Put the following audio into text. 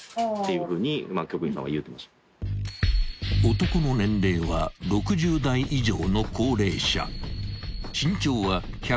［男の年齢は６０代以上の高齢者］